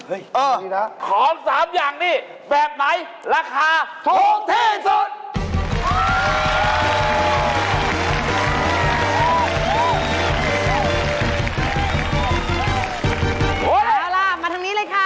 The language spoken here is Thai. เอาล่ะมาทางนี้เลยค่ะ